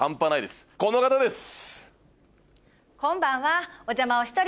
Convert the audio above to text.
この方です！